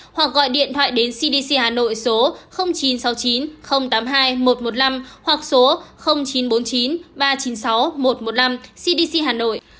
hoặc gọi điện thoại đến cdc hà nội số chín trăm sáu mươi chín tám mươi hai một trăm một mươi năm hoặc số chín trăm bốn mươi chín ba trăm chín mươi sáu một trăm một mươi năm cdc hà nội